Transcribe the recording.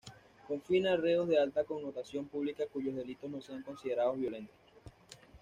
Confina a reos de alta connotación pública cuyos delitos no sean considerados violentos.